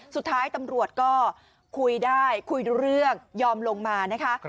สุดท้ายตำรวจก็คุยได้คุยรู้เรื่องยอมลงมานะคะ